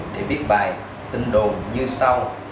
để viết bài tin đồn như sau